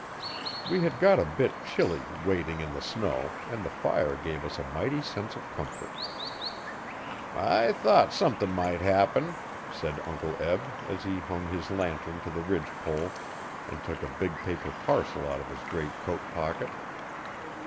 We had got a bit chilly wading in the snow, and the fire gave us a mighty sense of comfort. 'I thought somethin' might happen,' said Uncle Eb, as he hung his lantern to the ridge pole and took a big paper parcel out of his great coat pocket.